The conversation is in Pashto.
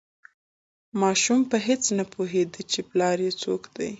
ماشوم په هیڅ نه پوهیده چې پلار یې څوک دی.